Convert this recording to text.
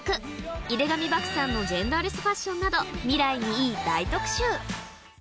井手上漠さんのジェンダーレスファッションなど、未来にいい大特集。